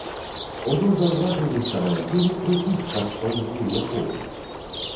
Ужо заўважыў іх камандзір і крычыць, каб паўзлі ў акопы.